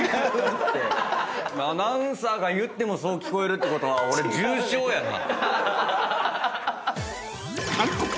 アナウンサーが言ってもそう聞こえるってことは俺重症やな。